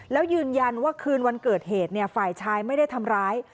แล้วยืนยันว่าคืนวันเกิดเหตุฝ่ายชายไม่ได้ทำร้าย